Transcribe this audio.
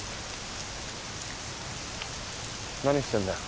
何してんだよ？